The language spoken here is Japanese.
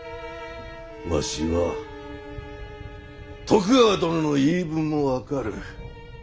わしは徳川殿の言い分も分かる。